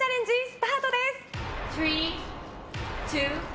スタートです。